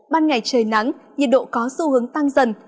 ban ngày trời nắng nhiệt độ có xu hướng tăng dần